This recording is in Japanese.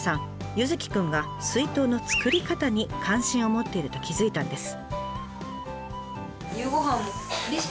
柚輝くんが水筒の作り方に関心を持っていると気付いたんです。